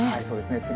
そうですね。